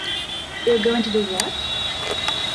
You're going to what?